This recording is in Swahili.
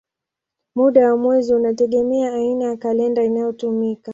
Muda wa mwezi unategemea aina ya kalenda inayotumika.